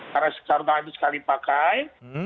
karena sarung tangan itu sekali dipakai